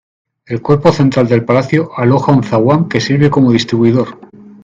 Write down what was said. El cuerpo central del palacio aloja un zaguán que sirve como distribuidor.